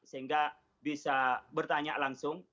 sehingga bisa bertanya langsung